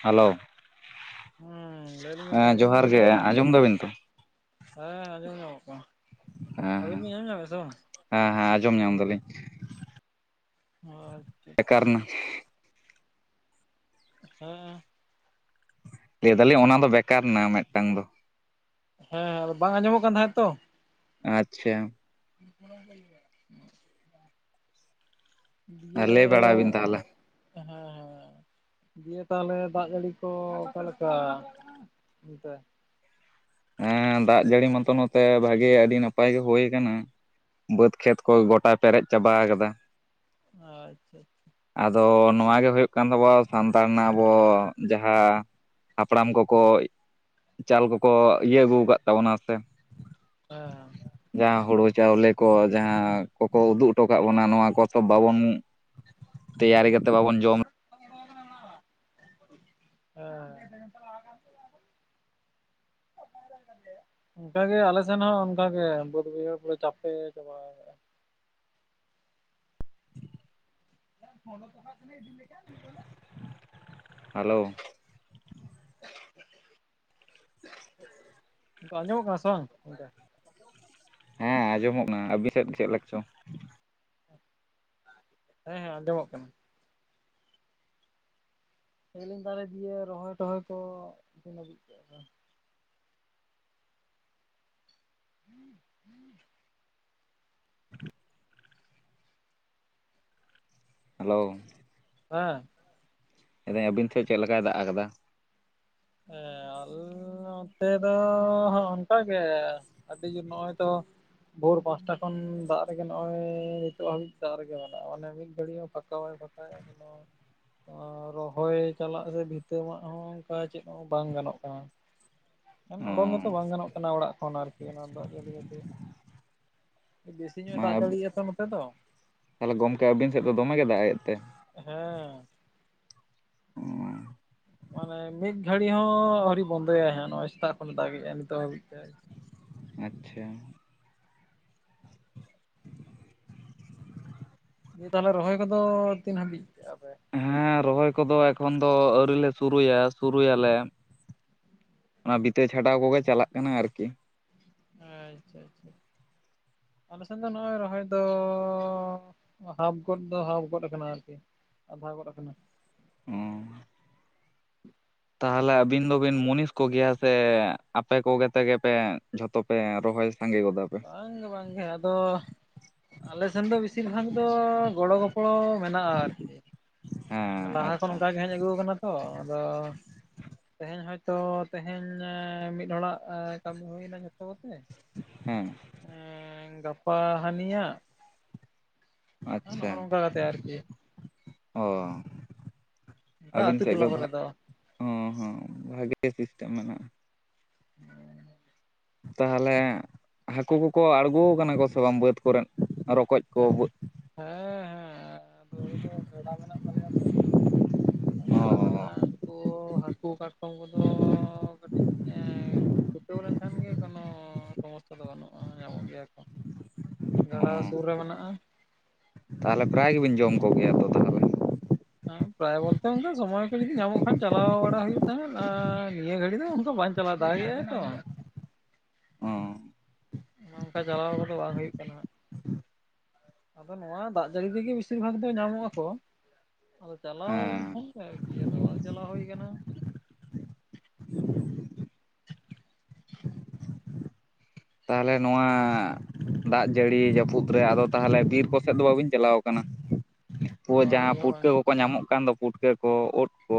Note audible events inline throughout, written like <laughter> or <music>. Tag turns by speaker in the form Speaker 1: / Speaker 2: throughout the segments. Speaker 1: Hello
Speaker 2: ᱦᱮᱸ ᱞᱟᱹᱭᱟᱞᱤᱧ ᱜᱚᱝᱠᱮ
Speaker 1: ᱦᱮᱸ
Speaker 2: ᱟᱸᱡᱚᱢ
Speaker 1: ᱡᱚᱦᱟᱨ ᱜᱮ
Speaker 2: ᱧᱟᱢᱚᱜ
Speaker 1: ᱟᱸᱡᱚᱢ ᱫᱟᱵᱤᱱ ᱛᱚ,
Speaker 2: ᱦᱮᱸ ᱟᱸᱡᱚᱢ ᱧᱟᱢᱚᱜ ᱠᱚᱱᱟ, ᱟᱹᱵᱤᱱ
Speaker 1: ᱦᱮᱸ ᱦᱮᱸ
Speaker 2: ᱵᱤᱱ ᱟᱧᱚᱢ ᱧᱟᱢᱮᱜ-ᱟ ᱥᱮ ᱵᱟᱝ ᱟ
Speaker 1: ᱦᱮᱸ ᱦᱮᱸ ᱟᱸᱡᱚᱢ ᱧᱟᱢ ᱫᱟᱞᱤᱧ
Speaker 2: ᱚ ᱟᱪᱪᱷᱟ
Speaker 1: ᱵᱮᱠᱟᱨ
Speaker 2: ᱟᱪᱪᱷᱟ
Speaker 1: ᱱᱟ
Speaker 2: ᱦᱮᱸ
Speaker 1: ᱞᱟᱹᱭ ᱫᱟᱞᱤᱧ ᱚᱱᱟ ᱫᱚ ᱵᱮᱠᱟᱨ ᱮᱱᱟ ᱢᱤᱫᱴᱟᱝ ᱫᱚ
Speaker 2: ᱦᱮᱸ ᱦᱮ ᱟᱫᱚ ᱵᱟᱝ ᱟᱸᱡᱚᱢᱚᱜ ᱠᱟᱱ ᱛᱟᱦᱮᱸᱫ ᱛᱚ
Speaker 1: ᱟᱪᱪᱷᱟ
Speaker 2: <inaudible> ᱤᱭᱟᱹ
Speaker 1: ᱞᱟᱹᱭ ᱵᱟᱲᱟᱭ ᱵᱤᱱ ᱛᱟᱦᱚᱞᱮ
Speaker 2: ᱦᱮᱸ ᱦᱮᱸᱻ ᱤᱭᱮ ᱛᱟᱦᱮᱞᱮ ᱫᱟᱜ ᱡᱟᱹᱲᱤ ᱠᱚ ᱚᱠᱟᱞᱮᱠᱟ ᱚᱱᱛᱮ?
Speaker 1: ᱦᱮᱸ ᱫᱟᱜ ᱡᱟᱹᱲᱤ ᱢᱟᱛᱚ ᱱᱚᱛᱮ ᱵᱷᱟᱜᱮ ᱟᱹᱰᱤ ᱱᱟᱯᱟᱭ ᱜᱮ ᱦᱳᱭ ᱠᱟᱱᱟ᱾ ᱵᱟᱹᱫᱽ ᱠᱷᱮᱛ ᱠᱚ ᱜᱚᱴᱟ ᱯᱮᱨᱮᱡ ᱪᱟᱵᱟ ᱠᱟᱫᱟ
Speaker 2: ᱟᱪᱷᱟ ᱟᱪᱷᱟ
Speaker 1: ᱟᱫᱚ ᱱᱚᱣᱟᱜ ᱜᱮ ᱦᱩᱭᱩᱜ ᱠᱟᱱ ᱛᱟᱵᱚᱱᱟ ᱥᱟᱱᱛᱟᱲ ᱨᱮᱱᱟᱜ ᱟᱵᱚ ᱡᱟᱦᱟᱸ ᱦᱟᱯᱲᱟᱢ ᱠᱚᱠᱚ ᱪᱟᱞ ᱠᱚᱠᱚ ᱤᱭᱟᱹ ᱟᱹᱜᱩ ᱟᱠᱟᱫ ᱛᱟᱵᱚᱱᱟ ᱯᱮ
Speaker 2: ᱦᱮᱸ
Speaker 1: ᱡᱟᱦᱟᱸ ᱦᱩᱲᱩ ᱪᱟᱣᱞᱮ ᱠᱚ ᱡᱟᱦᱟᱸ ᱠᱚᱠᱚ ᱩᱫᱩᱜ ᱦᱚᱴᱚ ᱠᱟᱜ ᱵᱚᱱᱟ ᱱᱚᱣᱟ ᱠᱚ ᱛᱚ ᱵᱟᱵᱚᱱ ᱛᱮᱭᱟᱨ ᱠᱟᱛᱮᱫ ᱵᱟᱵᱚᱱ ᱡᱚᱢ
Speaker 2: ᱦᱮᱸ
Speaker 1: <inaudible>
Speaker 2: ᱚᱱᱠᱟᱜᱮ ᱟᱞᱮ ᱥᱮᱱ ᱦᱚᱸ ᱚᱱᱠᱟᱜᱮ ᱵᱟᱹᱫ ᱵᱟ. ᱭᱦᱟᱹᱲ ᱠᱚᱫᱚ ᱪᱟᱯᱮ ᱪᱟᱵᱟ ᱠᱟᱱᱟ᱾ ᱯᱷᱚᱞᱚ ᱴᱚᱠᱟᱼᱜ ᱠᱟᱱᱟᱧ ᱤᱫᱤ ᱞᱮᱠᱦᱟᱱ ᱢᱤᱫ ᱱᱚᱰᱮᱠ <unintelligible>
Speaker 1: ᱦᱮᱞᱳ
Speaker 2: ᱟᱸᱡᱚᱢᱚᱜ ᱠᱟᱱᱟ ᱥᱮ ᱵᱟᱝ
Speaker 1: ᱦᱮᱸ ᱟᱸᱡᱚᱢᱚᱜ ᱠᱟᱱᱟ ᱟᱹᱵᱤᱱ ᱥᱮᱫ ᱪᱮᱫ ᱞᱟᱠᱟ ᱪᱚ
Speaker 2: ᱦᱮᱸ ᱦᱮᱸ ᱟᱸᱡᱚᱢᱚᱜ ᱠᱟᱱᱟ ᱥᱤᱞᱤᱧ ᱫᱟᱨᱮ ᱫᱤᱭᱮ ᱨᱚᱦᱚᱭ ᱴᱚᱦᱚᱭ ᱠᱚ ᱛᱤᱱ ᱩᱰᱤᱡ ᱠᱮᱜᱼᱟ ᱯᱮ? <inaudible>
Speaker 1: <inaudible> ᱦᱮᱞᱳ
Speaker 2: ᱦᱮᱸ
Speaker 1: ᱟᱫᱚ ᱟᱹᱵᱤᱱ ᱴᱷᱮᱱ ᱪᱮᱫ ᱞᱮᱠᱟᱭ ᱫᱟᱜ ᱟᱠᱟᱫᱟ?
Speaker 2: ᱦᱮᱸ ᱟᱞᱻ ᱱᱚᱛᱮ ᱫᱚᱻ ᱚᱱᱠᱟ ᱜᱮ ᱾ ᱠᱟᱹᱴᱤᱡ ᱜᱮ ᱱᱚᱜᱼᱚᱭ ᱛᱚᱼᱼ ᱵᱷᱳᱨ ᱯᱟᱸᱪᱴᱟ ᱠᱷᱚᱱ ᱫᱟᱜ ᱨᱮᱜᱮ ᱱᱚᱜᱼᱚᱭ ᱱᱤᱛᱚᱜ ᱦᱟᱹᱵᱤᱡ ᱫᱟᱜ ᱨᱮᱜᱮ ᱢᱮᱱᱟᱜᱼᱟ ᱢᱟᱱᱮ ᱢᱤᱫ ᱜᱷᱟᱹᱲᱤᱡ ᱯᱷᱟᱠᱟ ᱵᱟᱭ ᱯᱷᱟᱠᱟᱼᱼ ᱮᱠᱫᱚᱢ, ᱨᱚᱦᱚᱭ ᱪᱟᱞᱟᱜ ᱨᱮ ᱵᱷᱤᱛᱟᱹ ᱢᱟᱜ ᱦᱚᱸ ᱱᱚᱜ-ᱚᱭ ᱚᱝᱠᱟᱭᱼᱼ ᱪᱮᱫ ᱦᱚᱸ ᱵᱟᱝ ᱜᱟᱱᱚᱜ ᱠᱟᱱᱟ ᱾
Speaker 1: ᱚ
Speaker 2: ᱚᱰᱚᱝ ᱜᱮᱛᱚ ᱵᱟᱝ ᱜᱟᱱᱚᱜ ᱠᱟᱱᱟ ᱚᱲᱟᱜ ᱠᱷᱚᱱ ᱟᱨᱠᱤ ᱚᱱᱟ ᱫᱟᱜ ᱡᱟᱹᱲᱤ ᱠᱷᱟᱹᱛᱤᱨ ᱾ ᱵᱮᱥᱤ ᱧᱚᱜ ᱮ
Speaker 1: ᱢᱟᱱᱮ
Speaker 2: ᱫᱟᱜ ᱡᱟᱹᱲᱤᱭᱟ ᱛᱚ ᱱᱚᱛᱮ ᱫᱚ ᱾
Speaker 1: ᱛᱟᱦᱚᱞᱮ ᱜᱚᱢᱠᱮ ᱟᱤᱵᱤᱱ ᱥᱮᱫ ᱫᱚ ᱫᱚᱢᱮ ᱜᱮ ᱫᱟᱜ ᱮᱫ ᱛᱮ?
Speaker 2: ᱦᱮᱸ
Speaker 1: ᱱᱚᱣᱟ <inaudible>
Speaker 2: ᱢᱟᱱᱮ ᱢᱤᱫ ᱜᱷᱟᱹᱲᱤ ᱦᱚᱸ ᱟᱹᱣᱨᱤ ᱵᱚᱱᱫᱚᱭᱟᱭ ᱦᱟᱸᱜ ᱱᱚᱜᱼᱚᱭ ᱥᱮᱛᱟᱜ ᱠᱷᱚᱱ ᱫᱟᱜ ᱮᱫᱟᱭ ᱱᱤᱛᱚᱜ ᱦᱟᱹᱵᱤᱡ ᱛᱮ ᱾
Speaker 1: ᱟᱪᱪᱷᱟ
Speaker 2: ᱛᱟᱦᱚᱞᱮ ᱨᱚᱦᱚᱭ ᱠᱚᱫᱚ ᱛᱤᱱ ᱦᱟᱹᱵᱤᱡ ᱠᱮᱫ ᱟᱯᱮ?
Speaker 1: ᱦᱮᱸ ᱨᱚᱦᱚᱭ ᱠᱚᱫᱚ ᱮᱠᱷᱚᱱ ᱫᱚ ᱟᱣᱨᱤ ᱞᱮ ᱥᱩᱨᱩᱭᱟ, ᱥᱩᱨᱩᱭᱟᱞᱮ ᱾ ᱚᱱᱟ ᱵᱤᱛᱟᱹ ᱪᱷᱟᱰᱟᱣ ᱠᱚᱜᱮ ᱪᱟᱞᱟᱜ ᱠᱟᱱᱟ ᱟᱨᱠᱤ ᱾
Speaker 2: ᱟᱪᱪᱷᱟ ᱟᱪᱪᱷᱟ ᱟᱪᱪᱷᱟ ᱾
Speaker 1: <unintelligible>
Speaker 2: ᱟᱞᱮ ᱥᱮᱫ ᱫᱚ ᱱᱚᱜᱼᱚᱭ ᱨᱚᱦᱚᱭ ᱫᱚ ᱦᱟᱯᱷ ᱜᱚᱫ ᱫᱚ ᱦᱟᱯᱷ ᱜᱚᱫ ᱟᱠᱟᱱᱟ ᱟᱨᱠᱤ ᱾ ᱟᱫᱷᱟ ᱜᱚᱫ ᱟᱠᱟᱱᱟ ᱾
Speaker 1: ᱦᱩᱸ
Speaker 2: <unintelligible>
Speaker 1: ᱛᱟᱦᱚᱞᱮ ᱟᱵᱤᱱ ᱫᱚᱵᱤᱱ ᱢᱩᱱᱤᱥ ᱠᱚ ᱜᱮᱭᱟ ᱥᱮ ᱟᱯᱮ ᱠᱚᱜᱮ ᱛᱮᱜᱮ ᱯᱮ ᱡᱷᱚᱛᱚ ᱯᱮ ᱨᱚᱦᱚᱭ ᱥᱟᱸᱜᱮ ᱜᱚᱫᱟ? ᱯᱮ
Speaker 2: ᱵᱟᱝ ᱜᱮ ᱵᱟᱝ ᱜᱮ ᱟᱫᱚᱼᱼ ᱟᱞᱮ ᱥᱮᱱ ᱫᱚ ᱵᱮᱥᱤᱨ ᱵᱷᱟᱜᱽ ᱫᱚ ᱜᱚᱲᱚ ᱜᱚᱯᱚᱲᱚ ᱢᱮᱱᱟᱜᱼᱟ ᱟᱨᱠᱤ ᱾
Speaker 1: ᱦᱮᱸ
Speaker 2: ᱞᱟᱦᱟ ᱠᱷᱚᱱ
Speaker 1: ᱟᱪᱪᱷᱟ
Speaker 2: ᱚᱱᱠᱟ ᱜᱮ ᱦᱮᱡ ᱟᱹᱜᱩ ᱟᱠᱟᱱᱟ ᱛᱚ, ᱟᱫᱚᱼᱺ ᱛᱮᱦᱮᱧ ᱦᱚᱭᱛᱚ ᱛᱮᱦᱮᱧ ᱢᱤᱫ ᱦᱚᱲᱟᱜ ᱠᱟᱹᱢᱤ ᱦᱩᱭᱱᱟ ᱡᱚᱛᱚ ᱠᱚᱛᱮᱼᱼ
Speaker 1: ᱦᱮᱸ
Speaker 2: ᱮᱸ ᱜᱟᱯᱟ ᱦᱟᱱᱤᱭᱟᱜ ᱾
Speaker 1: ᱟᱪᱪᱷᱟ,
Speaker 2: ᱠᱟᱛᱮ ᱟᱨᱠᱤ
Speaker 1: ᱚ ᱾
Speaker 2: ᱚᱱᱠᱟ
Speaker 1: ᱟᱹᱵᱤᱱ
Speaker 2: ᱟᱹᱛᱩ
Speaker 1: ᱴᱷᱮᱜ
Speaker 2: ᱴᱚᱞᱟ
Speaker 1: ᱜᱮ
Speaker 2: ᱠᱚᱨᱮ
Speaker 1: ᱦᱟᱜ,
Speaker 2: ᱫᱚ
Speaker 1: ᱦᱚᱸ ᱦᱚᱸ ᱵᱷᱟᱜᱮ ᱥᱤᱥᱴᱮᱢ ᱢᱮᱱᱟᱜᱼᱟ ᱾
Speaker 2: ᱦᱮᱸ <unintelligible>
Speaker 1: ᱛᱟᱦᱚᱞᱮ ᱦᱟᱹᱠᱩ ᱠᱚᱠᱚ ᱟᱲᱜᱚ ᱟᱠᱟᱱᱟ ᱠᱚ ᱥᱮ ᱵᱟᱝ ᱵᱟᱹᱫᱽ ᱠᱚᱨᱮᱫ, ᱨᱚᱠᱚᱡᱼᱼ
Speaker 2: <unintelligible> ᱦᱮᱸ ᱦᱮᱸ ᱟᱫᱚ ᱟᱞᱮ ᱫᱚ ᱜᱟᱰᱟ ᱢᱮᱱᱟᱜ ᱛᱟᱞᱮᱭᱟ ᱛᱚ ᱾ ᱜᱟᱰᱟ
Speaker 1: ᱚ
Speaker 2: ᱢᱮᱱᱟᱜᱼᱟ, ᱩᱱᱠᱩ ᱦᱟᱹᱠᱩ ᱠᱟᱴᱠᱚᱢ ᱠᱚ ᱫᱚ ᱠᱟᱹᱴᱤᱡᱼᱼ ᱦᱮᱸ, ᱪᱷᱩᱴᱟᱹᱣ ᱞᱮᱱ ᱠᱷᱟᱱ ᱜᱮ ᱠᱳᱱᱳ ᱥᱚᱢᱚᱥᱥᱟ ᱫᱚ ᱵᱟᱹᱱᱩᱜᱼᱟ ᱧᱟᱢᱚᱜ ᱜᱮᱭᱟ ᱠᱚ ᱾
Speaker 1: <unintelligible>
Speaker 2: ᱜᱟᱰᱟ ᱥᱩᱨ ᱨᱮ ᱢᱮᱱᱟᱜᱼᱟ ᱾
Speaker 1: ᱛᱟᱦᱚᱞᱮ ᱯᱨᱟᱭ ᱜᱮᱵᱤᱱ ᱡᱚᱢ ᱠᱚᱜᱮᱭᱟ?
Speaker 2: ᱦᱮᱸ ᱯᱨᱟᱭ ᱵᱚᱞᱛᱮ ᱚᱱᱠᱟ ᱥᱚᱢᱚᱭ ᱠᱚ ᱡᱩᱫᱤ ᱧᱟᱢᱚᱜ ᱠᱷᱟᱱ ᱪᱟᱞᱟᱣ ᱵᱟᱲᱟ ᱦᱩᱭᱩᱜ ᱛᱟᱦᱮᱸᱫ ᱟᱨ, ᱱᱤᱭᱟᱹ ᱜᱷᱟᱹᱲᱤ ᱫᱚ ᱚᱱᱠᱟ ᱵᱟᱝ ᱾ ᱪᱟᱞᱟᱣ ᱫᱟᱲᱮᱭᱟᱜ ᱜᱮᱭᱟᱭ ᱛᱚ?
Speaker 1: ᱚ
Speaker 2: ᱚᱱᱠᱟ ᱪᱟᱞᱟᱣ ᱠᱚᱫᱚ ᱵᱟᱝ ᱦᱩᱭᱩᱜ ᱠᱟᱱᱟ ᱦᱟᱸᱜ᱾ ᱟᱫᱚ ᱱᱚᱣᱟ ᱫᱟᱜ ᱡᱟᱹᱲᱤ ᱨᱮᱜᱮ ᱵᱮᱥᱤᱨ ᱵᱷᱟᱜᱽ ᱫᱚ ᱧᱟᱢᱚᱜ-ᱟ ᱠᱚ᱾ ᱟᱫᱚ ᱪᱟᱞᱟᱣ
Speaker 1: ᱦᱮᱸ
Speaker 2: ᱞᱮᱱᱠᱷᱟᱱ ᱜᱮ ᱟᱨᱠᱤ ᱟᱫᱚ ᱵᱟᱝ ᱪᱟᱞᱟᱣ ᱦᱩᱭ ᱟᱠᱟᱱᱟ᱾ <inaudible>
Speaker 1: ᱛᱟᱦᱞᱮ ᱱᱚᱣᱟ ᱫᱟᱜ ᱡᱟᱹᱲᱤ ᱡᱟᱹᱯᱩᱫ ᱨᱮ ᱟᱫᱚ ᱛᱟᱦᱞᱮ ᱵᱤᱨ ᱠᱚ ᱥᱮᱫ ᱫᱚ ᱵᱟᱹᱵᱤᱱ ᱪᱟᱞᱟᱣ ᱠᱟᱱᱟ? ᱦᱳᱭ
Speaker 2: ᱵᱟᱝ
Speaker 1: ᱡᱟᱦᱟᱸ
Speaker 2: ᱜᱮ
Speaker 1: ᱯᱩᱴᱠᱟᱹ
Speaker 2: ᱵᱟᱝ
Speaker 1: ᱠᱚ ᱠᱚ
Speaker 2: ᱜᱮ,
Speaker 1: ᱧᱟᱢᱚᱜ ᱠᱟᱱ ᱫᱚ ᱯᱩᱴᱠᱟᱹ ᱠᱚ, ᱳᱫ ᱠᱚ᱾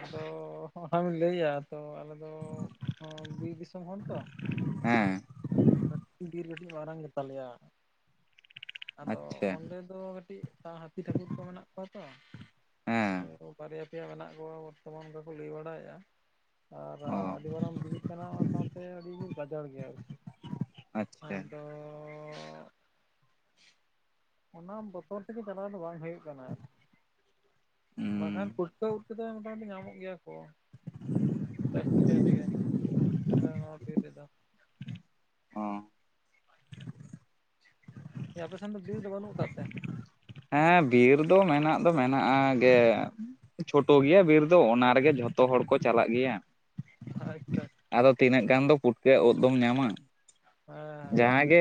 Speaker 2: ᱟᱫᱚ ᱚᱱᱟ ᱵᱤᱱ ᱞᱟᱹᱭᱟ ᱛᱚ ᱟᱞᱮ ᱫᱚ ᱵᱤᱨ ᱫᱤᱥᱚᱢ ᱦᱚᱲ ᱛᱚ᱾
Speaker 1: ᱦᱮᱸ᱾
Speaker 2: ᱠᱟᱹᱴᱤᱡ ᱵᱤᱨ ᱠᱟᱹᱴᱤᱡ ᱢᱟᱨᱟᱝ ᱜᱮᱛᱟᱞᱮᱭᱟ᱾ ᱟᱫᱚ
Speaker 1: ᱟᱪᱪᱷᱟ
Speaker 2: ᱚᱸᱰᱮ ᱫᱚ ᱠᱟᱹᱴᱤᱡ ᱛᱟ ᱦᱟᱹᱛᱤ ᱴᱷᱟᱹᱠᱩᱨ ᱠᱚ ᱢᱮᱱᱟᱜ ᱠᱚᱣᱟ ᱛᱚ᱾
Speaker 1: ᱦᱮᱸ
Speaker 2: ᱛᱚ, ᱵᱟᱨᱭᱟ ᱯᱮᱭᱟ ᱢᱮᱱᱟᱜ ᱠᱚᱣᱟ ᱵᱚᱨᱛᱚᱢᱟᱱ ᱨᱮᱠᱚ ᱞᱟᱹᱭ ᱵᱟᱲᱟᱭᱮ-ᱟ᱾ ᱟᱨ
Speaker 1: ᱚ
Speaker 2: ᱟᱹᱰᱤ ᱵᱟᱨᱟᱝ ᱵᱤᱨ ᱠᱟᱱᱟ ᱚᱱᱟ ᱥᱟᱶᱛᱮ ᱟᱹᱰᱤ ᱵᱤᱨ ᱜᱟᱡᱟᱲ ᱜᱮᱭᱟ ᱟᱨᱠᱤ᱾
Speaker 1: ᱟᱪᱪᱷᱟ
Speaker 2: ᱟᱫᱚᱻ ᱚᱱᱟ ᱵᱚᱛᱚᱨ ᱛᱮᱜᱮ ᱪᱟᱞᱟᱣ ᱫᱚ ᱵᱟᱝ ᱦᱩᱭᱩᱜ ᱠᱟᱱᱟ ᱟᱨᱠᱤ ᱵᱟᱠᱷᱟᱱ
Speaker 1: ᱦᱩᱸ
Speaker 2: ᱯᱨᱚᱛᱮᱠ ᱫᱚ ᱢᱚᱴᱟᱢᱩᱴᱤ ᱧᱟᱢᱮᱫ ᱜᱮᱭᱟ ᱠᱚ᱾ ᱡᱟᱥᱛᱤ ᱡᱟᱭᱛᱮᱜᱮ <unintelligible>
Speaker 1: ᱦᱚᱸ᱾
Speaker 2: ᱟᱯᱮᱥᱮᱱ ᱫᱚ ᱵᱤᱨ ᱫᱚ ᱵᱟᱹᱱᱩᱜ ᱟᱠᱟᱫ ᱛᱮ?
Speaker 1: ᱦᱮᱸ ᱵᱤᱨ ᱫᱚ ᱢᱮᱱᱟᱜ ᱫᱚ ᱢᱮᱱᱟᱜᱼᱟ ᱜᱮ᱾ ᱪᱷᱳᱴᱳ ᱜᱮᱭᱟ ᱵᱤᱨ ᱫᱚ ᱚᱱᱟ ᱨᱮᱜᱮ ᱡᱷᱚᱛᱚ ᱦᱚᱲ ᱠᱚ ᱪᱟᱞᱟᱜ ᱜᱮᱭᱟ᱾
Speaker 2: ᱟᱪᱪᱷᱟ᱾
Speaker 1: ᱟᱫᱚ ᱛᱤᱱᱟᱹᱜ ᱜᱟᱱ ᱫᱚ ᱯᱩᱴᱠᱟᱹ ᱩᱫ ᱫᱚᱢ ᱧᱟᱢᱟ?
Speaker 2: ᱦᱮᱸ ᱦᱮᱸ
Speaker 1: ᱡᱟᱦᱟᱸ ᱜᱮ,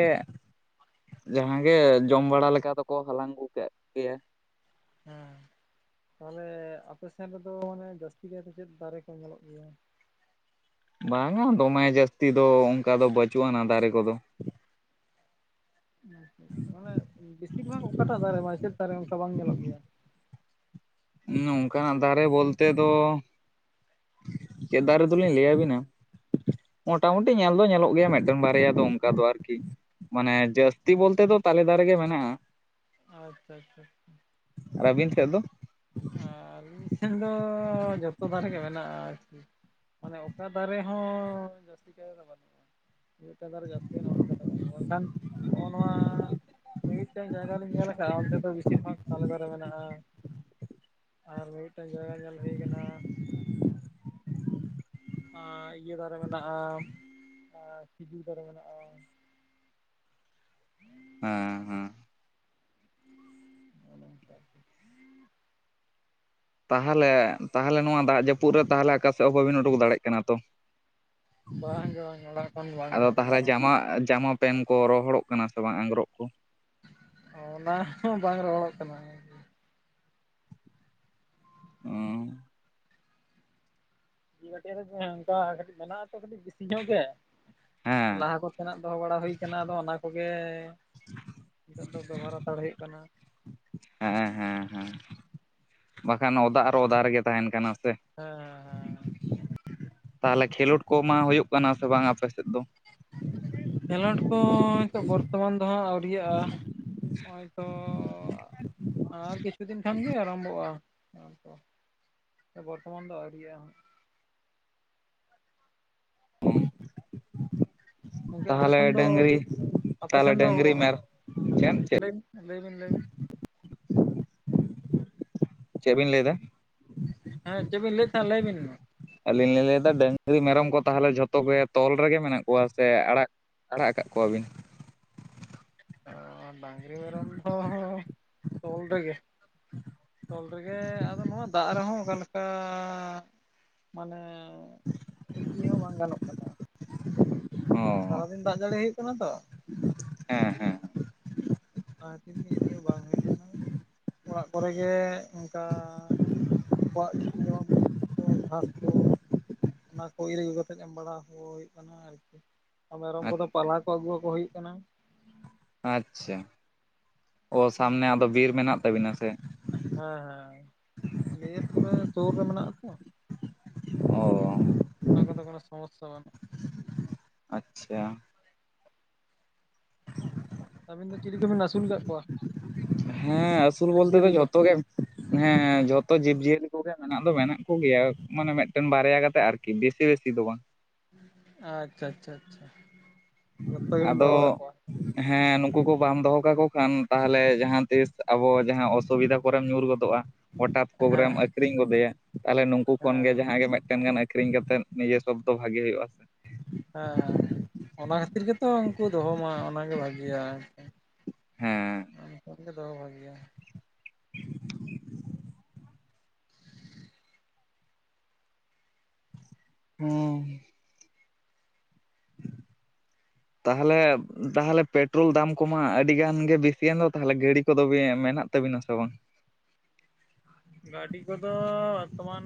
Speaker 1: ᱡᱟᱦᱟᱸ ᱜᱮ ᱡᱚᱢ ᱵᱟᱲᱟ ᱞᱮᱠᱟ ᱫᱚᱠᱚ ᱦᱟᱞᱟᱝ ᱟᱹᱜᱩ ᱠᱟᱜ ᱠᱮᱭᱟ᱾
Speaker 2: ᱦᱮᱸ ᱛᱟᱦᱞᱮ ᱟᱯᱮ ᱥᱮᱱ ᱨᱮᱫᱚ ᱢᱟᱱᱮ ᱡᱟᱹᱥᱛᱤ ᱠᱟᱭᱛᱮ ᱪᱮᱫ ᱫᱟᱨᱮ ᱠᱚ ᱧᱮᱞᱚᱜ ᱜᱮᱭᱟ?
Speaker 1: ᱵᱟᱝᱟ ᱫᱚᱢᱮ ᱡᱟᱹᱥᱛᱤ ᱫᱚ ᱚᱱᱠᱟ ᱫᱚ ᱵᱟᱹᱪᱩᱜ ᱟᱱᱟ ᱫᱟᱨᱮ ᱠᱚᱫᱚ᱾
Speaker 2: ᱟᱪᱪᱷᱟ ᱟᱪᱪᱷᱟ ᱢᱟᱱᱮ ᱵᱤᱥᱤᱨ ᱵᱷᱟᱜᱽ ᱚᱠᱟᱴᱟᱜ ᱫᱟᱨᱮ ᱢᱟ ᱪᱮᱫ ᱫᱟᱨᱮ ᱚᱱᱠᱟ ᱵᱟᱝ ᱧᱮᱞᱚᱜ ᱜᱮᱭᱟ?
Speaker 1: ᱱᱩᱝᱠᱟᱱᱟᱜ ᱫᱟᱨᱮ ᱵᱚᱞᱛᱮ ᱫᱚ᱾ ᱪᱮᱫ ᱫᱟᱨᱮ ᱫᱚᱞᱤᱧ ᱞᱟᱹᱭᱟᱹᱵᱤᱱᱟ᱾ ᱢᱚᱴᱟᱢᱩᱴᱤ ᱧᱮᱞ ᱫᱚ ᱧᱮᱞᱚᱜ ᱜᱮᱭᱟ ᱢᱤᱫᱴᱟᱝ ᱵᱟᱨᱭᱟ ᱫᱚ ᱚᱱᱠᱟ ᱫᱚ ᱟᱨᱠᱤ᱾ ᱢᱟᱱᱮ ᱡᱟᱹᱥᱛᱤ ᱵᱚᱞᱛᱮ ᱫᱚ ᱛᱟᱞᱮ ᱫᱟᱨᱮ ᱜᱮ ᱢᱮᱱᱟᱜ-ᱟ᱾
Speaker 2: ᱟᱪᱪᱷᱟ ᱟᱪᱪᱷᱟ ᱟᱪᱪᱷᱟ᱾
Speaker 1: ᱟᱹᱵᱤᱱ ᱴᱷᱮᱡ ᱫᱚ?
Speaker 2: ᱟᱨ ᱟᱹᱞᱤᱧ ᱥᱮᱱ ᱫᱚ ᱡᱚᱛᱚ ᱫᱟᱨᱮ ᱜᱮ ᱢᱮᱱᱟᱜ-ᱟ ᱟᱨᱠᱤ᱾ ᱢᱟᱱᱮ ᱚᱠᱟ ᱫᱟᱨᱮ ᱦᱚᱸ ᱡᱟᱹᱥᱛᱤ ᱠᱟᱭ ᱫᱚ ᱵᱟᱹᱱᱩᱜ-ᱟ᱾ ᱢᱤᱫᱴᱮᱱ ᱫᱟᱨᱮ ᱡᱟᱹᱥᱛᱤ ᱢᱮᱱᱟᱜ-ᱟ ᱚᱱᱠᱟ ᱫᱚ ᱵᱟᱝ ᱢᱮᱱᱠᱷᱟᱱ ᱱᱚᱜ-ᱚ ᱱᱚᱣᱟ ᱢᱤᱫ ᱢᱮᱫᱴᱮᱱ ᱡᱟᱭᱜᱟ ᱞᱤᱧ ᱧᱮᱞ ᱟᱠᱟᱜ-ᱟ ᱚᱱᱛᱮ ᱫᱚ ᱵᱤᱥᱤᱨ ᱵᱷᱟᱜᱽ ᱛᱟᱞᱮ ᱫᱟᱨᱮ ᱢᱮᱱᱟᱜ-ᱟ᱾ ᱟᱨ ᱢᱤᱫᱴᱮᱱ ᱡᱟᱭᱜᱟ ᱧᱮᱞ ᱦᱩᱭ ᱠᱟᱱᱟ᱾ ᱟᱻ ᱤᱭᱟᱹ ᱫᱟᱨᱮ ᱢᱮᱱᱟᱜ-ᱟ, ᱟᱻ ᱠᱷᱤᱡᱩᱨ ᱫᱟᱨᱮ ᱢᱮᱱᱟᱜ-ᱟ᱾
Speaker 1: ᱦᱩᱸ ᱦᱩᱸ᱾
Speaker 2: ᱚᱱᱟ ᱥᱟᱨ <unintelligible>
Speaker 1: ᱛᱟᱦᱞᱮ, ᱛᱟᱦᱞᱮ ᱱᱚᱣᱟ ᱫᱟᱜ ᱡᱟᱹᱯᱩᱫ ᱨᱮ ᱛᱟᱦᱞᱮ ᱚᱠᱟ ᱥᱮᱫ ᱦᱚᱸ ᱵᱟᱵᱤᱱ ᱩᱰᱩᱠ ᱫᱟᱲᱮᱭᱟᱜ ᱠᱟᱱᱟ ᱛᱚ᱾
Speaker 2: ᱵᱟᱝᱜᱮ ᱵᱟᱝ ᱜᱮ ᱵᱟᱝ ᱚᱲᱟᱜ ᱠᱷᱚᱱ ᱵᱟᱝ
Speaker 1: ᱟᱫᱚ
Speaker 2: ᱜᱟᱱᱚᱜ ᱠᱟᱱᱟ
Speaker 1: ᱛᱟᱦᱞᱮ
Speaker 2: ᱚᱰᱚᱝ᱾
Speaker 1: ᱡᱟᱢᱟ, ᱡᱟᱢᱟ᱾ ᱯᱮᱱ ᱠᱚ ᱨᱚᱦᱚᱲᱚᱜ ᱠᱟᱱᱟ ᱥᱮ ᱵᱟᱝ ᱟᱝᱜᱨᱚᱵ ᱠᱚ?
Speaker 2: ᱚᱱᱟ ᱦᱚᱸ ᱵᱟᱝ ᱨᱚᱦᱚᱲᱚᱜ ᱠᱟᱱᱟ᱾
Speaker 1: ᱚᱸᱻ
Speaker 2: ᱴᱮᱨᱮ ᱚᱱᱠᱟ ᱠᱟᱹᱴᱤᱡ ᱢᱮᱱᱟᱜ ᱟᱛᱚ ᱠᱟᱹᱴᱤᱡ ᱵᱤᱥᱤ ᱧᱚᱜ ᱜᱮ,
Speaker 1: ᱦᱮᱸ
Speaker 2: ᱞᱟᱦᱟ ᱠᱚ ᱚᱛᱮᱱᱟᱜ ᱫᱚᱦᱚ ᱵᱟᱲᱟ ᱦᱩᱭ ᱠᱟᱱᱟ, ᱟᱫᱚ ᱚᱱᱟ ᱠᱚᱜᱮ ᱱᱤᱛᱚᱜ ᱫᱚ ᱵᱮᱵᱚᱦᱟᱨ ᱦᱟᱛᱟᱲ ᱦᱩᱭᱩᱜ ᱠᱟᱱᱟ᱾
Speaker 1: ᱦᱮᱸ ᱦᱮᱸ ᱦᱮᱸ ᱵᱟᱠᱷᱟᱱ ᱚᱫᱟ ᱟᱨ ᱚᱫᱟ ᱨᱮᱜᱮ ᱛᱟᱸᱦᱮᱱ ᱠᱟᱱᱟ ᱥᱮ᱾
Speaker 2: ᱦᱮᱸ ᱦᱮᱸ ᱦᱮᱸ᱾
Speaker 1: ᱛᱟᱦᱚᱞᱮ ᱠᱷᱮᱞᱳᱰ ᱠᱚᱢᱟ ᱦᱳᱭᱳᱜ ᱠᱟᱱᱟ ᱥᱮ ᱵᱟᱝ ᱟᱯᱮ ᱥᱮᱫ ᱫᱚ?
Speaker 2: ᱠᱷᱮᱸᱞᱳᱰ ᱠᱚ ᱱᱤᱛᱚᱜ ᱵᱚᱨᱛᱚᱢᱟᱱ ᱫᱚ ᱦᱟᱸᱜ ᱟᱹᱣᱨᱤᱭᱟᱜᱼᱟ᱾ ᱱᱚᱸᱜᱼᱚᱭ ᱛᱚ ᱟᱨ ᱠᱤᱪᱷᱩ ᱫᱤᱱ ᱠᱷᱟᱱ ᱜᱤ ᱟᱨᱟᱢᱵᱚᱜᱼᱟ᱾ ᱵᱚᱨᱛᱚᱢᱟᱱ ᱫᱚ ᱟᱹᱣᱨᱤᱭᱟ ᱦᱟᱸᱜ᱾ ᱜᱚᱝᱠᱮ
Speaker 1: ᱛᱟᱦᱚᱞᱮ
Speaker 2: ᱟᱯᱮᱥᱮᱱ ᱫᱚ,
Speaker 1: ᱰᱟᱹᱝᱨᱤ ᱛᱟᱦᱚᱞᱮ
Speaker 2: ᱟᱯᱮᱥᱮᱱ ᱫᱚ,
Speaker 1: ᱰᱟᱹᱝᱨᱤ ᱢᱮᱨ
Speaker 2: ᱦᱮᱸ ᱦᱮᱸ
Speaker 1: ᱪᱮᱫ ᱪᱮᱫ
Speaker 2: ᱞᱟᱹᱭ ᱞᱟᱹᱭᱵᱤᱱ ᱞᱟᱹᱭᱵᱤᱱ᱾
Speaker 1: ᱪᱮᱫ ᱵᱤᱱ ᱞᱟᱹᱭᱫᱟ?
Speaker 2: ᱦᱮᱸ ᱪᱮᱫ ᱵᱤᱱ ᱞᱟᱹᱭᱮᱫ ᱛᱟᱦᱮᱸ ᱞᱟᱹᱭ ᱵᱤᱱ ᱢᱟ᱾
Speaker 1: ᱟᱹᱞᱤᱧ ᱞᱤᱧ ᱞᱟᱹᱭᱫᱟ ᱰᱟᱹᱝᱨᱤ ᱢᱮᱨᱚᱢ ᱠᱚ ᱛᱟᱦᱚᱞᱮ ᱡᱷᱚᱛᱚ ᱜᱮ ᱛᱚᱞ ᱨᱮᱜᱮ ᱢᱮᱱᱟᱜ ᱠᱚᱣᱟ ᱥᱮ ᱟᱲᱟᱜ ᱟᱲᱟᱜ ᱠᱟᱫ ᱠᱚᱣᱟᱵᱤᱱ?
Speaker 2: ᱚ ᱰᱟᱝᱨᱤ ᱢᱮᱨᱚᱢ ᱫᱚ ᱛᱳᱞ ᱨᱮᱜᱮ᱾ ᱛᱚᱞ ᱨᱮᱜᱮ ᱟᱫᱚ ᱱᱚᱣᱟ ᱫᱟᱜ ᱨᱮᱦᱚᱸ ᱚᱠᱟᱞᱮᱠᱟ ᱢᱟᱱᱮ ᱮᱸᱜ ᱤᱫᱤ ᱦᱚᱸ ᱵᱟᱝ ᱜᱟᱱᱚᱜ ᱠᱟᱱᱟ᱾ ᱥᱟᱨᱟ
Speaker 1: ᱚ
Speaker 2: ᱫᱤᱱ ᱫᱟᱜ ᱡᱟᱹᱲᱤ ᱦᱳᱭᱳᱜ ᱠᱟᱱᱟ ᱛᱚ,
Speaker 1: ᱦᱮᱸ ᱦᱮᱸ᱾
Speaker 2: ᱟᱱᱟ ᱠᱷᱟᱹᱛᱤᱨ ᱜᱮ ᱤᱫᱤ ᱦᱚᱸ ᱵᱟᱝ ᱦᱩᱭᱩᱜ ᱠᱟᱱᱟ, ᱚᱲᱟᱜ ᱠᱚᱨᱮᱜ ᱜᱮ ᱚᱝᱠᱟ ᱟᱠᱚᱣᱟᱜ ᱡᱷᱟᱸ ᱡᱚᱢᱟᱜ ᱵᱩᱥᱩᱵ ᱠᱚ ᱜᱷᱟᱸᱥ ᱠᱚ ᱚᱱᱟ ᱠᱚ ᱤᱨ ᱟᱹᱜᱩ ᱠᱟᱛᱮᱫ ᱮᱢ ᱵᱟᱲᱟ ᱦᱩᱭᱩᱜ ᱠᱟᱱᱟ ᱟᱨ ᱠᱤ ᱢᱮᱨᱚᱢ ᱠᱚᱫᱚ ᱯᱟᱞᱦᱟ ᱠᱚ ᱟᱹᱜᱩᱣᱟᱚ ᱦᱩᱭᱩᱜ ᱠᱟᱱᱟ᱾
Speaker 1: ᱟᱪᱪᱷᱟ, ᱚ ᱥᱟᱢᱱᱮ ᱟᱫᱚ ᱵᱤᱨ ᱢᱮᱱᱟᱜ ᱛᱟᱵᱤᱱᱟ ᱥᱮ?
Speaker 2: ᱦᱮᱸ ᱦᱮᱸ, ᱵᱤᱨ ᱯᱩᱨᱟᱹ ᱥᱩᱨ ᱨᱮ ᱢᱮᱱᱟᱜ ᱟᱛᱚ᱾
Speaker 1: ᱚ
Speaker 2: ᱚᱱᱠᱟ ᱫᱚ ᱠᱳᱱᱳ ᱥᱚᱢᱚᱥᱥᱟ ᱵᱟᱹᱱᱩᱜ
Speaker 1: ᱟᱪᱪᱷᱟ᱾
Speaker 2: ᱟᱹᱵᱤᱱ ᱫᱚ ᱪᱤᱞᱤ ᱠᱚᱵᱤᱱ ᱟᱹᱥᱩᱞ ᱠᱟᱫ ᱠᱚᱣᱟ?
Speaker 1: ᱦᱮᱸ ᱟᱹᱥᱩᱞ
Speaker 2: ᱪᱤᱞᱤ
Speaker 1: ᱵᱚᱞᱛᱮ ᱫᱚ
Speaker 2: ᱡᱤᱭᱟᱹᱞᱤ ᱠᱚ
Speaker 1: ᱡᱷᱚᱛᱚ ᱜᱮ ᱦᱮᱸ ᱡᱷᱚᱛᱚ ᱡᱤᱵᱡᱤᱭᱟᱹᱞᱤ ᱠᱚᱜᱮ ᱢᱮᱱᱟᱜ ᱫᱚ ᱢᱮᱱᱟᱜ ᱠᱚᱜᱮᱭᱟ, ᱢᱟᱱᱮ ᱢᱤᱫᱴᱮᱱ ᱵᱟᱨᱭᱟ ᱠᱟᱛᱮᱜ ᱟᱨ ᱠᱤ ᱵᱮᱥᱤ ᱵᱮᱥᱤ ᱫᱚ ᱵᱟᱝ᱾
Speaker 2: ᱟᱪᱪᱷᱟ ᱪᱷᱟ ᱪᱷᱟ᱾
Speaker 1: ᱟᱫᱚ ᱦᱮᱸ ᱱᱩᱠᱩ ᱠᱚ ᱵᱟᱢ ᱫᱚᱦᱚ ᱠᱟᱠᱚ ᱠᱷᱟᱱ ᱛᱟᱦᱚᱞᱮ ᱡᱟᱦᱟᱸ ᱛᱤᱥ ᱟᱵᱚ ᱡᱟᱦᱟᱸ ᱚᱥᱩᱵᱤᱫᱷᱟ ᱠᱚᱨᱮᱢ ᱧᱩᱨ ᱜᱚᱫᱚᱜᱼᱟ᱾ ᱦᱚᱴᱟᱛ
Speaker 2: ᱦᱮᱸ
Speaker 1: ᱠᱚᱜᱨᱮᱢ
Speaker 2: ᱦᱮᱸ
Speaker 1: ᱟᱹᱠᱷᱨᱤᱧ ᱜᱚᱫᱮᱭᱟ, ᱛᱟᱦᱚᱞᱮ ᱱᱩᱠᱩ ᱠᱷᱚᱱ
Speaker 2: ᱦᱮᱸ
Speaker 1: ᱜᱮ ᱡᱟᱦᱟᱸᱜ ᱜᱮ ᱢᱤᱫᱴᱮᱱ ᱜᱟᱱ ᱟᱠᱷᱨᱤᱧ ᱠᱟᱛᱮᱜ ᱱᱤᱡᱮ ᱥᱚᱵᱫᱚ ᱵᱷᱟᱜᱮ ᱦᱩᱭᱩᱜᱼᱟ ᱥᱮ᱾
Speaker 2: ᱦᱮᱸ ᱦᱮᱸ ᱚᱱᱟ ᱠᱷᱟᱹᱛᱤᱨ ᱜᱮᱛᱚ ᱩᱱᱠᱩ ᱫᱚᱦᱚ ᱢᱟ ᱚᱱᱟᱜᱮ ᱵᱷᱟᱜᱤᱭᱟ᱾
Speaker 1: ᱦᱮᱸ
Speaker 2: ᱩᱱᱠᱩ ᱜᱮ ᱫᱚᱦᱚ ᱵᱷᱟᱜᱮᱭᱟ᱾
Speaker 1: ᱩ ᱦᱩᱸ᱾ ᱛᱟᱦᱚᱞᱮ ᱛᱟᱦᱚᱞᱮ ᱯᱮᱴᱨᱳᱞ ᱫᱟᱢ ᱠᱚᱢᱟ ᱟᱹᱰᱤ ᱜᱟᱱ ᱜᱮ ᱵᱮᱥᱤᱭᱮᱱ ᱫᱚ ᱛᱟᱦᱚᱞᱮ ᱜᱟᱹᱲᱤ ᱠᱚᱫᱚ ᱵᱤᱱ ᱢᱮᱱᱟᱜ ᱛᱟᱵᱤᱱᱟ ᱥᱮ ᱵᱟᱝ?
Speaker 2: ᱜᱟᱹᱰᱤ ᱠᱚᱫᱚ ᱛᱚᱢᱟᱱᱻ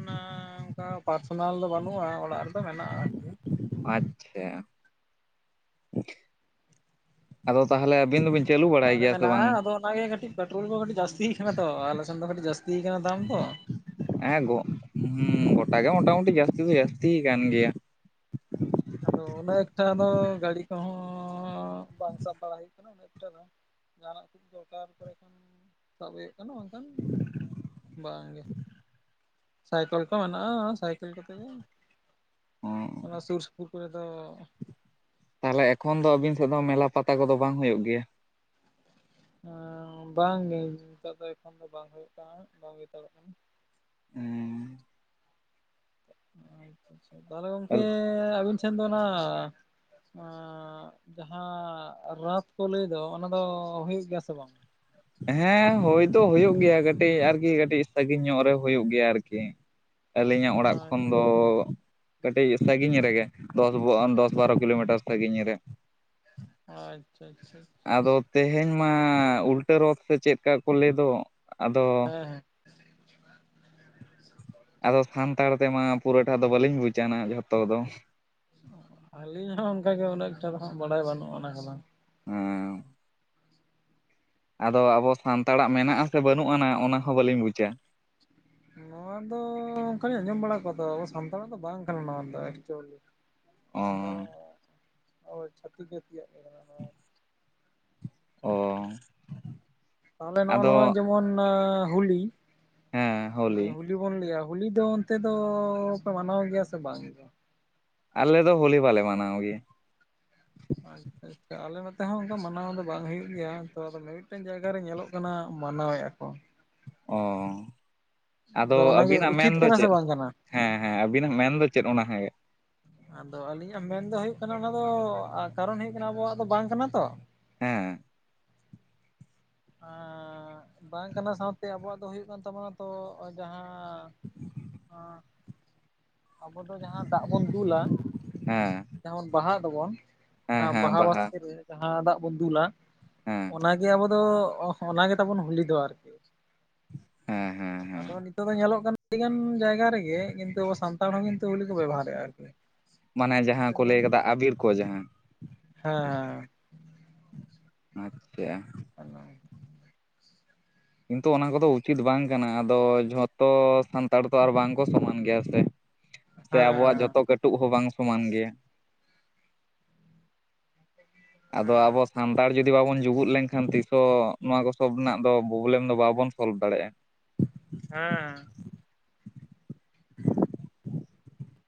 Speaker 2: ᱚᱱᱠᱟ ᱯᱟᱨᱥᱚᱱᱟᱞ ᱫᱚ ᱵᱟᱹᱱᱩᱜᱼᱟ, ᱚᱲᱟᱜ ᱨᱮᱫᱚ ᱢᱮᱱᱟᱜᱼᱟ ᱟᱨᱠᱤ ᱾
Speaker 1: ᱟᱪᱪᱷᱟ, ᱟᱫᱚ ᱛᱟᱦᱚᱞᱮ ᱟᱹᱵᱤᱱ ᱫᱚᱵᱤᱱ ᱪᱟᱹᱞᱩ ᱵᱟᱲᱟᱭ
Speaker 2: ᱚᱱᱟᱜ ᱨᱮ
Speaker 1: ᱜᱮᱭᱟ ᱥᱮ
Speaker 2: ᱢᱮᱱᱟᱜᱼᱟ
Speaker 1: ᱵᱟᱝ?
Speaker 2: ᱟᱫᱚ ᱚᱱᱟᱜᱮ ᱠᱟᱹᱴᱤᱡ ᱯᱮᱴᱨᱳᱞ ᱠᱚ ᱠᱟᱹᱴᱤᱡ ᱡᱟᱹᱥᱛᱤᱭ ᱠᱟᱱᱟ ᱛᱚ ᱟᱞᱮ ᱥᱮᱱ ᱫᱚ ᱠᱟᱹᱴᱤᱡ ᱡᱟᱹᱥᱛᱤᱭ ᱠᱟᱱᱟ ᱫᱟᱢ ᱫᱚ ᱾
Speaker 1: ᱦᱮᱸ ᱜᱚ ᱦᱩᱸ ᱜᱚᱴᱟ ᱜᱮ ᱢᱚᱴᱟᱢᱩᱴᱤ ᱡᱟᱹᱥᱛᱤ ᱫᱚ ᱡᱟᱹᱥᱛᱤᱭ ᱟᱠᱟᱱ ᱜᱮᱭᱟ ᱾
Speaker 2: ᱟᱫᱚ ᱩᱱᱟᱹᱜ ᱮᱠᱴᱷᱟ ᱫᱚ ᱜᱟᱹᱲᱤ ᱠᱚᱦᱚᱸᱻ ᱵᱟᱝ ᱥᱟᱵ ᱵᱟᱲᱟ ᱦᱩᱭᱩᱜ ᱠᱟᱱᱟ ᱩᱱᱟᱹᱜ ᱮᱠᱴᱟ ᱫᱚ ᱾ ᱡᱟᱦᱟᱱᱟᱜ ᱠᱚ ᱫᱚᱨᱠᱟᱨ ᱠᱚᱨᱮ ᱠᱷᱟᱱ ᱥᱟᱵ ᱦᱳᱭᱳᱜ ᱠᱟᱱᱟ ᱵᱟᱝᱠᱷᱟᱱ ᱵᱟᱝ ᱜᱮ, ᱥᱟᱭᱠᱮᱞ ᱠᱚ ᱢᱮᱱᱟᱜᱼᱟ ᱥᱟᱭᱠᱮᱞ ᱠᱚᱛᱮ ᱜᱮ ᱾ ᱚᱱᱟ ᱥᱩᱨ ᱥᱩᱯᱩᱨ ᱠᱚᱨᱮ ᱫᱚᱻ
Speaker 1: ᱛᱟᱦᱚᱞᱮ ᱮᱠᱷᱚᱱ ᱫᱚ ᱟᱹᱵᱤᱱ ᱥᱮᱫ ᱫᱚ ᱢᱮᱞᱟ ᱯᱟᱛᱟ ᱠᱚᱫᱚ ᱵᱟᱝ ᱦᱩᱭᱩᱜ ᱜᱮᱭᱟ?
Speaker 2: ᱮᱸᱻ ᱵᱟᱝ ᱜᱮ ᱱᱤᱛᱚᱜ ᱫᱚ ᱮᱠᱷᱚᱱ ᱫᱚ ᱵᱟᱝ ᱦᱩᱭᱩᱜ ᱠᱟᱱᱟ, ᱵᱟᱝ ᱜᱮᱛᱟᱲᱚᱜ ᱠᱟᱱᱟ ᱾
Speaker 1: ᱮᱸᱻ
Speaker 2: ᱟᱪᱪᱷᱟ ᱟᱪᱪᱷᱟ ᱛᱟᱦᱚᱞᱮ ᱜᱚᱝᱠᱮ ᱟᱹᱵᱤᱱ ᱥᱮᱱ ᱫᱚ ᱚᱱᱟ ᱮᱸ ᱡᱟᱦᱟᱸ ᱨᱚᱛᱷ ᱠᱚ ᱞᱟᱹᱭ ᱫᱚ ᱚᱱᱟ ᱫᱚ ᱦᱩᱭᱩᱜ ᱜᱮᱭᱟ ᱥᱮ ᱵᱟᱝ?
Speaker 1: ᱦᱮᱸ ᱦᱳᱭ ᱫᱚ ᱦᱳᱭᱳᱜ ᱜᱮᱭᱟ ᱠᱟᱹᱴᱤᱡ ᱟᱨᱠᱤ ᱠᱟᱹᱴᱤᱡ ᱥᱟᱺᱜᱤᱧ ᱧᱚᱜ ᱨᱮ ᱦᱳᱭᱳᱜ ᱜᱮᱭᱟ ᱟᱨᱠᱤ ᱾ ᱟᱹᱞᱤᱧᱟᱜ ᱚᱲᱟᱜ ᱠᱷᱚᱱ
Speaker 2: ᱟᱪᱪᱷᱟ
Speaker 1: ᱫᱚ ᱠᱟᱹᱴᱤᱡ ᱥᱟᱺᱜᱤᱧ ᱨᱮᱜᱮ ᱾ ᱫᱚᱥ ᱵᱚ-ᱟᱱ ᱫᱚᱥ ᱵᱟᱨᱚ ᱠᱤᱞᱳᱢᱤᱴᱟᱨ ᱥᱟᱺᱜᱤᱧ ᱨᱮ ᱾
Speaker 2: ᱟᱪᱪᱷᱟ ᱟᱪᱪᱷᱟ ᱾
Speaker 1: ᱟᱫᱚ ᱛᱮᱦᱮᱧ ᱢᱟ ᱩᱞᱴᱟᱹ ᱨᱚᱛᱷ ᱥᱮ ᱪᱮᱫᱠᱟ ᱠᱚ ᱞᱟᱹᱭ ᱫᱚ ᱟᱫᱚ
Speaker 2: ᱦᱮᱸ ᱾
Speaker 1: ᱟᱫᱚ ᱥᱟᱱᱛᱟᱲ ᱛᱮᱢᱟ ᱯᱩᱨᱟᱹᱴᱟᱜ ᱫᱚ ᱵᱟᱹᱞᱤᱧ ᱵᱩᱡᱟ ᱚᱱᱟ ᱡᱷᱚᱛᱚ ᱫᱚ ᱾
Speaker 2: ᱟᱹᱞᱤᱧ ᱦᱚᱸ ᱚᱱᱠᱟ ᱜᱮ ᱩᱱᱟᱹᱜ ᱮᱠᱴᱟ ᱫᱚ ᱦᱟᱸᱜ ᱵᱟᱲᱟᱭ ᱵᱟᱹᱱᱩᱜᱼᱟ ᱚᱱᱟ ᱠᱚᱫᱚ ᱾
Speaker 1: ᱦᱮᱸ ᱾ ᱟᱫᱚ ᱟᱵᱚ ᱥᱟᱱᱛᱟᱲᱟᱜ ᱢᱮᱱᱟᱜᱼᱟ ᱥᱮ ᱵᱟᱹᱱᱩᱜ ᱟᱱᱟ ᱚᱱᱟ ᱦᱚᱸ ᱵᱟᱹᱞᱤᱧ ᱵᱩᱡᱟ ᱾
Speaker 2: ᱱᱚᱣᱟ ᱫᱚᱻ ᱚᱱᱠᱟ ᱞᱤᱧ ᱟᱸᱡᱚᱢ ᱵᱟᱲᱟ ᱠᱚᱣᱟ ᱛᱚ ᱟᱵᱚ ᱥᱟᱱᱛᱟᱲᱟᱜ ᱫᱚ ᱵᱟᱝ ᱠᱟᱱᱟ ᱱᱚᱣᱟ ᱫᱚ ᱮᱠᱪᱩᱭᱮᱞᱤ ᱾
Speaker 1: ᱚ
Speaker 2: ᱟᱫᱚ ᱪᱷᱟᱹᱛᱤᱠ ᱡᱟᱹᱛᱤᱭᱟᱜ ᱠᱟᱱᱟ ᱱᱚᱣᱟ ᱫᱚ ᱾
Speaker 1: ᱚᱻ ᱾
Speaker 2: ᱛᱟᱦᱞᱮ ᱱᱚᱜᱼᱚ ᱱᱚᱣᱟ ᱡᱮᱢᱚᱱ ᱦᱩᱞᱤ ᱦᱮᱸ ᱦᱩᱞ ᱡᱩᱫᱤ ᱵᱚᱱ ᱞᱟᱹᱭᱟ ᱦᱩᱞᱤ ᱫᱚ ᱚᱱᱛᱮ ᱫᱚᱻ ᱯᱮ ᱢᱟᱱᱟᱣ ᱜᱮᱭᱟ ᱥᱮ ᱵᱟᱝ?
Speaker 1: ᱟᱞᱮ ᱫᱚ ᱦᱳᱞᱤ ᱵᱟᱞᱮ ᱢᱟᱱᱟᱣ ᱜᱮᱭᱟ ᱾
Speaker 2: <unintelligible> ᱟᱞᱮ ᱱᱚᱛᱮ ᱦᱚᱸ ᱚᱱᱠᱟ ᱢᱟᱱᱟᱣ ᱫᱚ ᱵᱟᱝ ᱦᱩᱭᱩᱜ ᱜᱮᱭᱟ, ᱛᱚ ᱟᱫᱚ ᱢᱤᱼᱢᱤᱫᱴᱮᱱ ᱡᱟᱭᱜᱟ ᱨᱮ ᱧᱮᱞᱚᱜ ᱠᱟᱱᱟ ᱢᱟᱱᱟᱣᱮᱫ ᱟᱠᱚ᱾
Speaker 1: ᱚ ᱟᱫᱚ
Speaker 2: ᱚᱱᱟᱜᱮ
Speaker 1: ᱟᱹᱵᱤᱱᱟᱜ ᱢᱮᱱ
Speaker 2: ᱩᱪᱤᱛ
Speaker 1: ᱫᱚ
Speaker 2: ᱠᱟᱱᱟ ᱥᱮ
Speaker 1: ᱪᱮᱫ?
Speaker 2: ᱵᱟᱝ ᱠᱟᱱᱟ?
Speaker 1: ᱦᱮᱸ ᱦᱮᱸ ᱟᱹᱵᱤᱱᱟᱜ ᱢᱮᱱ ᱫᱚ ᱪᱮᱫ? ᱚᱱᱟ ᱦᱮᱸ
Speaker 2: ᱟᱫᱚ ᱟᱹᱞᱤᱧᱟᱜ ᱢᱮᱱ ᱫᱚ ᱦᱩᱭᱩᱜ ᱠᱟᱱᱟ ᱚᱱᱟ ᱫᱚ ᱠᱟᱨᱚᱱ ᱦᱩᱭᱩᱜ ᱠᱟᱱᱟ ᱟᱵᱚᱣᱟᱜ ᱫᱚ ᱵᱟᱝ ᱠᱟᱱᱟ ᱛᱚ ᱾
Speaker 1: ᱦᱮᱸ ᱾
Speaker 2: ᱦᱮᱸᱻ ᱵᱟᱝ ᱠᱟᱱᱟ ᱥᱟᱶᱛᱮ, ᱟᱵᱚᱣᱟᱜ ᱫᱚ ᱦᱩᱭᱩᱜ ᱠᱟᱱ ᱛᱟᱵᱚᱱᱟ ᱛᱚ ᱡᱟᱦᱟᱸ ᱟᱸ ᱟᱵᱚ ᱫᱚ ᱡᱟᱦᱟᱸ ᱫᱟᱜ ᱵᱚᱱ ᱫᱩᱞᱟ ᱾
Speaker 1: ᱦᱮᱸ ᱾
Speaker 2: ᱡᱮᱢᱚᱱ ᱵᱟᱦᱟᱜ ᱫᱚᱵᱚᱱ, ᱵᱟᱦᱟ ᱵᱟᱥᱠᱮ ᱨᱮ ᱡᱟᱦᱟᱸ ᱫᱟᱜ ᱵᱚᱱ ᱫᱩᱞᱟ
Speaker 1: ᱦᱮᱸ
Speaker 2: ᱚᱱᱟ ᱜᱮ ᱟᱵᱚ ᱫᱚ ᱚᱱᱟᱜᱮ ᱛᱟᱵᱚᱱ ᱦᱩᱞᱤ ᱫᱚ ᱟᱨᱠᱤ ᱾
Speaker 1: ᱦᱮᱸ ᱦᱮᱸ ᱦᱮᱸ ᱾
Speaker 2: ᱱᱤᱛᱚᱜ ᱫᱚ ᱧᱮᱞᱚᱜ ᱠᱟᱱᱟ ᱟᱹᱰᱤᱜᱟᱱ ᱡᱟᱭᱜᱟ ᱨᱮᱜᱮ ᱠᱤᱱᱛᱩ ᱟᱵᱚ ᱥᱟᱱᱛᱟᱲ ᱦᱚᱸ ᱠᱤᱱᱛᱩ ᱦᱳᱞᱤ ᱠᱚ ᱵᱮᱵᱚᱦᱟᱨᱮᱫᱼᱟ ᱟᱨᱠᱤ ᱾
Speaker 1: ᱢᱟᱱᱮ ᱡᱟᱦᱟᱸ ᱠᱚ ᱞᱟᱹᱭ ᱠᱟᱫᱟ ᱟᱵᱤᱨ ᱠᱚ ᱡᱟᱦᱟᱸ ᱾
Speaker 2: ᱦᱮᱸᱻ
Speaker 1: <unintelligible> ᱪᱤᱠᱟᱹᱜᱼᱟ᱾
Speaker 2: <unintelligible>
Speaker 1: ᱠᱤᱱᱛᱩ ᱚᱱᱟ ᱠᱚᱫᱚ ᱩᱪᱤᱛ ᱵᱟᱝ ᱠᱟᱱᱟ, ᱟᱫᱚ ᱡᱷᱚᱛᱚ ᱥᱟᱱᱛᱟᱲ ᱫᱚ ᱟᱨ ᱵᱟᱝ ᱠᱚ ᱥᱚᱢᱟᱱ ᱜᱮᱭᱟ ᱥᱮ᱾ ᱥᱮ ᱟᱵᱚᱣᱟᱜ
Speaker 2: ᱦᱮᱸ
Speaker 1: ᱡᱷᱚᱛᱚ ᱠᱟᱹᱴᱩᱵ ᱦᱚᱸ ᱵᱟᱝ ᱥᱚᱢᱟᱱ ᱜᱮᱭᱟ᱾ ᱟᱫᱚ
Speaker 2: ᱦᱮᱸ
Speaker 1: ᱟᱵᱚ ᱥᱟᱱᱛᱟᱲ ᱡᱩᱫᱤ ᱵᱟᱵᱚᱱ ᱡᱩᱜᱩᱫ ᱞᱮᱱᱠᱷᱟᱱ ᱛᱤᱥᱦᱚ ᱱᱚᱣᱟ ᱠᱚ ᱥᱚᱵ ᱨᱮᱱᱟᱜ ᱫᱚ ᱯᱨᱚᱵᱞᱮᱢ ᱫᱚ ᱵᱟᱵᱚᱱ ᱥᱚᱞᱵᱷ ᱫᱟᱲᱮᱭᱟᱜᱼᱟ᱾
Speaker 2: ᱦᱮᱸ᱾